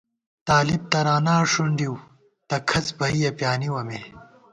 طالب ترانا ݭُنڈِؤ تہ کھڅ بَئیَہ پیانِوَہ مے